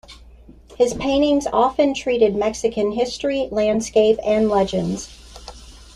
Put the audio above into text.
His paintings often treated Mexican history, landscape, and legends.